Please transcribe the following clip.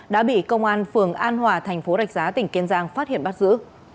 đã bị công an phường an hòa thành phố rạch giá tỉnh kiên giang phát hiện bắt giữ